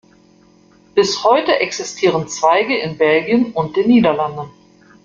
Bis heute existieren Zweige in Belgien und den Niederlanden.